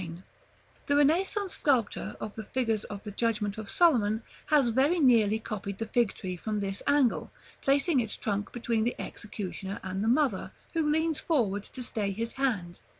The Renaissance sculptor of the figures of the Judgment of Solomon has very nearly copied the fig tree from this angle, placing its trunk between the executioner and the mother, who leans forward to stay his hand.